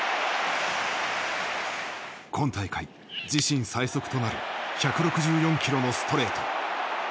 今大会自身最速となる１６４キロのストレート。